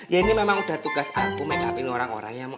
ya ini memang udah tugas aku makeup in orang orang ya mo